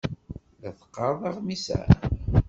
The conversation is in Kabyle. La teqqareḍ aɣmis-a?